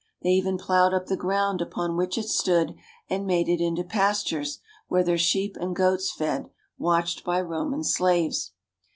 They even plowed up the ground ^^H upon which it stood and made it into pastures, where their ^^H sheep and goats fed, watched by Roman slaves.